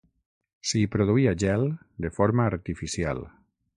S'hi produïa gel de forma artificial.